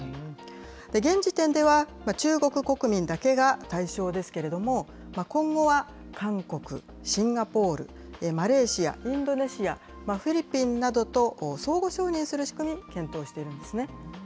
現時点では、中国国民だけが対象ですけれども、今後は、韓国、シンガポール、マレーシア、インドネシア、フィリピンなどと相互承認する仕組みを検討しているんですね。